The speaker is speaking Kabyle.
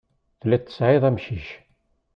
Telliḍ tesɛiḍ amcic.